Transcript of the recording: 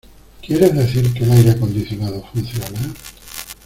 ¿Quieres decir que el aire acondicionado funciona?